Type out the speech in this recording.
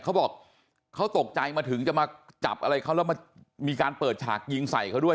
เขาบอกเขาตกใจมาถึงจะมาจับอะไรเขาแล้วมีการเปิดฉากยิงใส่เขาด้วย